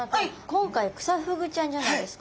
今回クサフグちゃんじゃないですか。